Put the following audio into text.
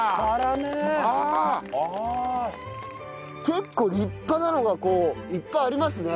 結構立派なのがこういっぱいありますね。